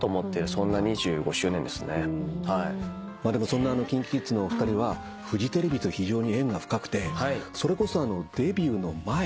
そんなＫｉｎＫｉＫｉｄｓのお二人はフジテレビと非常に縁が深くてそれこそデビューの前。